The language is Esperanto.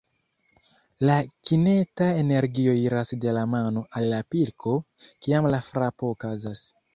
La kineta energio iras de la mano al la pilko, kiam la frapo okazas.